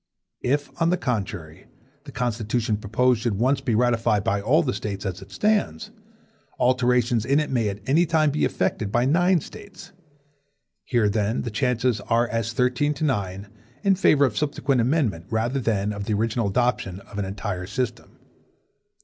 If, on the contrary, the Constitution proposed should once be ratified by all the States as it stands, alterations in it may at any time be effected by nine States. Here, then, the chances are as thirteen to nine(2) in favor of subsequent amendment, rather than of the original adoption of an entire system.